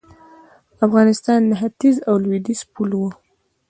افغانستان د ختیځ او لویدیځ پل و